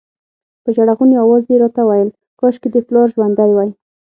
په ژړغوني اواز یې راته ویل کاشکې دې پلار ژوندی وای.